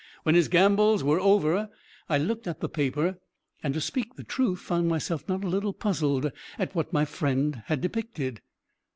When his gambols were over, I looked at the paper, and, to speak the truth, found myself not a little puzzled at what my friend had depicted.